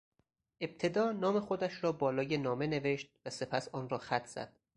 ابتدا نام خودش را بالای نامه نوشت و سپس آن را خط زد.